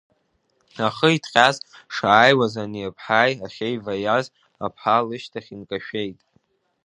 Ахы иҭҟьаз шааиуаз ани аԥҳаи ахьеиваиаз аԥҳа лышьҭахь инкашәеит.